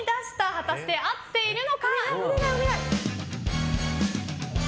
果たして、合っているのか？